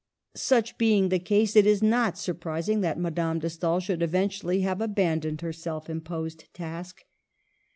Such being the case, it is not surprising that Madame de Stael should eventually have abandoned her self imposed task.